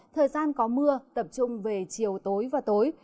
thời gian có mưa tập trung về chiều tối và tối